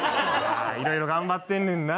いろいろ頑張ってんねんな。